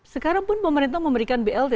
sekarang pun pemerintah memberikan blt